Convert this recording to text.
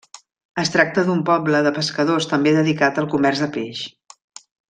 Es tracta d'un poble de pescadors també dedicat al comerç de peix.